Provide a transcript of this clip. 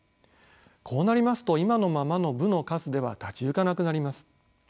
こうなりますと今のままの部の数では立ち行かなくなります。